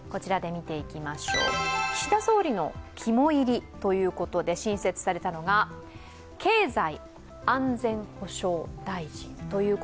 岸田総理の肝いりということで、新設されたのが経済安全保障大臣。